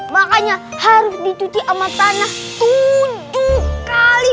makanya harus dicuci sama tanah tujuh kali